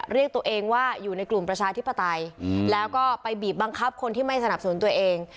เรียกตัวเองว่าอยู่ในกลุ่มประชาธิปไตยแล้วก็ไปบีบบังคับคนที่ไม่สนับสนุนตัวเอง